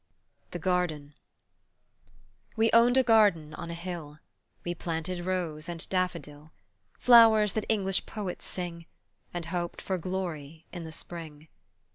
THE GARDEN We owned a garden on a hill, We planted rose and daffodil, Flowers that English poets sing, And hoped for glory in the Spring.